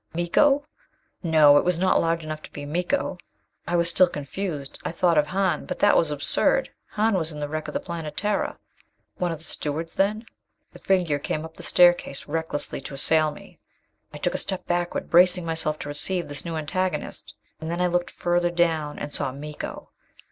Miko? No, it was not large enough to be Miko. I was still confused. I thought of Hahn. But that was absurd: Hahn was in the wreck of the Planetara. One of the stewards then.... The figure came up the staircase recklessly, to assail me. I took a step backward, bracing myself to receive this new antagonist. And then I looked further down and saw Miko!